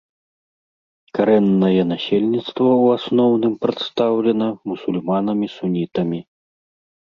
Карэннае насельніцтва ў асноўным прадстаўлена мусульманамі-сунітамі.